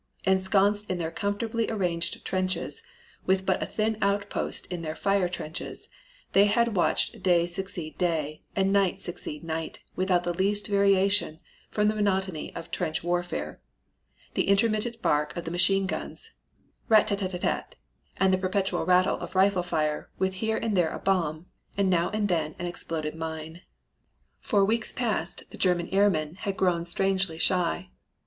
Ensconced in their comfortably arranged trenches with but a thin outpost in their fire trenches, they had watched day succeed day and night succeed night without the least variation from the monotony of trench warfare, the intermittent bark of the machine guns rat tat tat tat tat and the perpetual rattle of rifle fire, with here and there a bomb, and now and then an exploded mine. "For weeks past the German airmen had grown strangely shy.